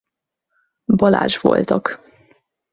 Balázs voltak.